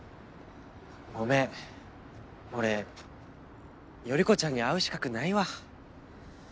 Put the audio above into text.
ごめん俺頼子ちゃんに会う資格ないわ。